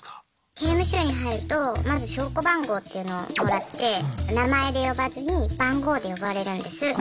刑務所に入るとまず称呼番号っていうのをもらって名前で呼ばずに番号で呼ばれるんです。